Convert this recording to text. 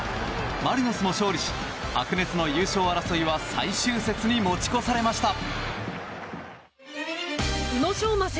マリノスも勝利し白熱の優勝争いは最終節に持ち越されました。